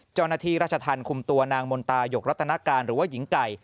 เจ้าหน้าที่ราชธรรมคุมตัวนางมนตายกรัตนาการหรือว่าหญิงไก่